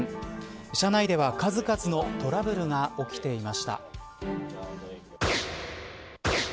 車内では数々のトラブルが起きていました。